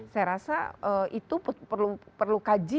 saya rasa itu perlu kaji